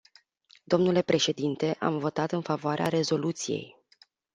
Dle președinte, am votat în favoarea rezoluției.